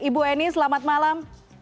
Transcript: ibu eni selamat malam